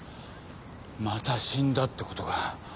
また死んだってことか。